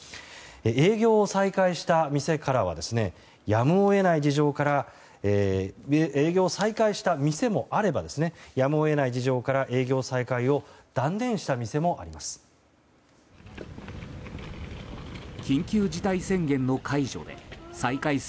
営業を再開した店からはやむを得ない事情で営業を再開した店もあればやむを得ない事情から営業再開を断念した店もあります。